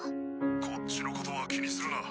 こっちのことは気にするな。